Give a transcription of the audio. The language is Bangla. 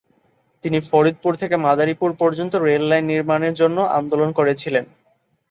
তিনি ফরিদপুর থেকে মাদারীপুর পর্যন্ত রেল লাইন নির্মাণের জন্য আন্দোলন করেছিলেন।